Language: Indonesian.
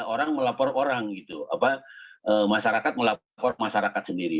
orang melapor orang gitu masyarakat melapor masyarakat sendiri